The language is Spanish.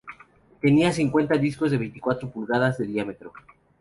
Tenía cincuenta discos de veinticuatro pulgadas de diámetro.